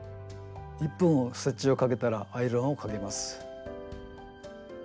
１本ステッチをかけたらアイロンをかけます。